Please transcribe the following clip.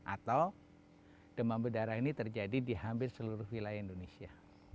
atau demam berdarah ini terjadi di hampir seluruh wilayah indonesia